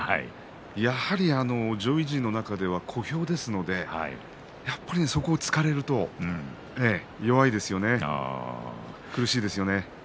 やはり上位陣の中では小兵ですのでそこをつかれると弱いですよね苦しいですよね。